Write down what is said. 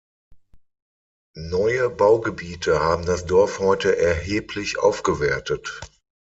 Neue Baugebiete haben das Dorf heute erheblich aufgewertet.